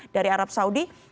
dari arab saudi